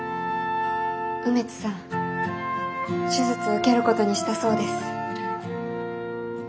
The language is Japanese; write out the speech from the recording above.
梅津さん手術受けることにしたそうです。